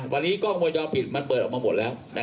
วันนี้กล้องวงจรปิดมันเปิดออกมาหมดแล้ว